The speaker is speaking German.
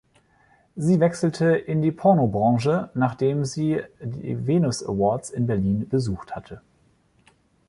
Sie wechselte in die Pornobranche, nachdem sie die Venus Awards in Berlin besucht hatte.